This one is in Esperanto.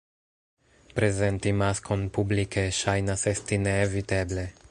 Prezenti maskon publike ŝajnas esti neeviteble.